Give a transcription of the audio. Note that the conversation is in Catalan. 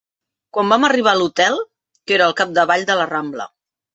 Quan vam arribar a l'Hotel, que era al capdavall de la Rambla